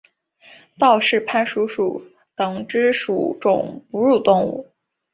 道氏攀鼠属等之数种哺乳动物。